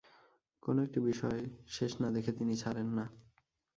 কোনো-একটি বিষয় শেষ না-দেখে তিনি ছাড়েন না।